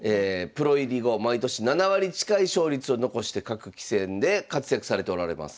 プロ入り後は毎年７割近い勝率を残して各棋戦で活躍されておられます。